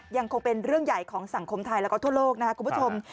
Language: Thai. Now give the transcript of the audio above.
ยังคงเป็นเรื่องใหญ่ของสังคมไทยแล้วก็ทั่วโลกนะครับคุณผู้ชม